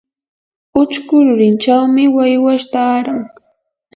uchku rurinchawmi waywash taaran.